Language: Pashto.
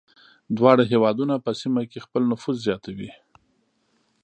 دواړه هېوادونه په سیمه کې خپل نفوذ زیاتوي.